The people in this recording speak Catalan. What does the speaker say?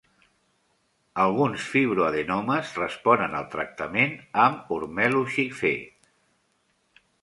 Alguns fibroadenomes responen al tractament amb ormeloxifè.